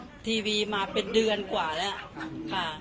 ทีวีมาเป็นเดือนกว่าแล้วค่ะ